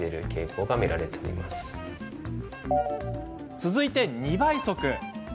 続いて２倍速。